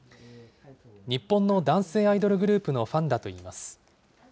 日本の男性アイドルグループのファンだといいます。